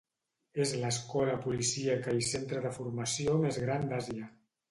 És l'escola policíaca i centre de formació més gran d'Àsia.